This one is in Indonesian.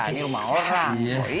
ini rumah orang